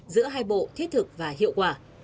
giữa hai bộ thiết thực và hiệu quả